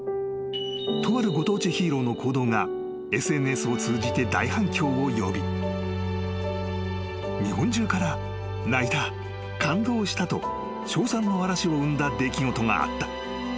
とあるご当地ヒーローの行動がＳＮＳを通じて大反響を呼び日本中から「泣いた」「感動した」と称賛の嵐を生んだ出来事があった］